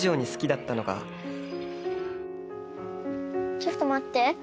ちょっと待って。